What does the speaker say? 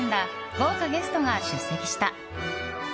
豪華ゲストが出席した。